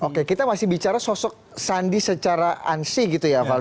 oke kita masih bicara sosok sandi secara ansi gitu ya valdo